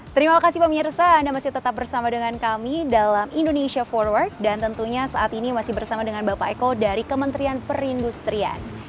terima kasih pemirsa anda masih tetap bersama dengan kami dalam indonesia forward dan tentunya saat ini masih bersama dengan bapak eko dari kementerian perindustrian